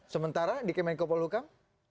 sementara di kemenkopol hukum